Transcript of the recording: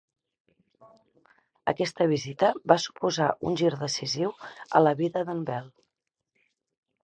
Aquesta visita va suposar un gir decisiu a la vida de"n Beel.